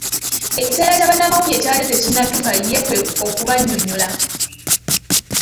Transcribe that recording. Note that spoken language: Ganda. Ekiseera kya bannamawulire kyabadde tekinnatuuka ye okubanyonyola.